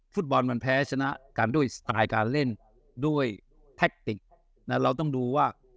ฟุตบอลมันแพ้ชนะกันด้วยสไตล์การเล่นด้วยแทคติกเราต้องดูว่า